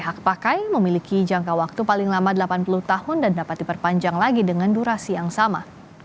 hak pakai memiliki jangka waktu paling lama delapan puluh tahun dan dapat diperpanjang lagi dengan durasi yang sama